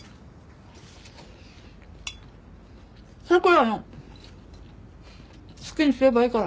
桜の好きにすればいいから。